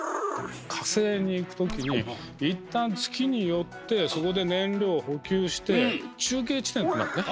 火星に行く時に一旦月に寄ってそこで燃料を補給して中継地点となるね。